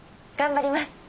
頑張ります。